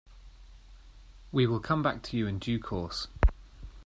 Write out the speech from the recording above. We will come back to you in due course.